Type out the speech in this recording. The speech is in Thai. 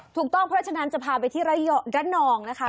ถูกต้องเพราะฉะนั้นจะพาไปที่ระนองนะคะ